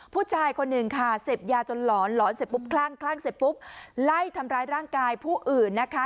ผู้จ่ายคนหนึ่งเศษยาจนหลอนหลอนเศษปุ๊บคล้างเหล่าทำร้ายร่างกายผู้อื่นนะคะ